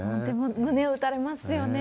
胸を打たれますよね。